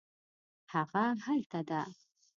هغه هلته ده